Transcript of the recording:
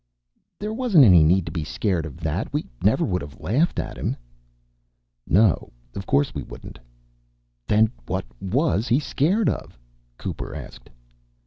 "There wasn't any need to be scared of that. We never would have laughed at him." "No. Of course we wouldn't." "Then what was he scared of?" Cooper asked.